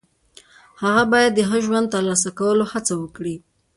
هغه باید د ښه ژوند د ترلاسه کولو هڅه وکړي.